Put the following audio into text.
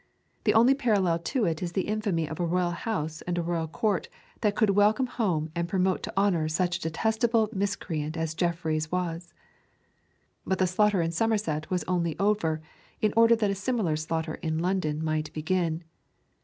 The only parallel to it is the infamy of a royal house and a royal court that could welcome home and promote to honour such a detestable miscreant as Jeffreys was. But the slaughter in Somerset was only over in order that a similar slaughter in London might begin.